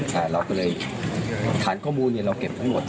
ใช่เราก็เลยฐานข้อมูลเราเก็บทั้งหมด